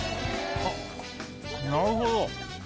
あっなるほど。